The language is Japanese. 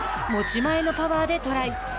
持ち前のパワーでトライ。